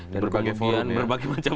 dan kemudian berbagai macam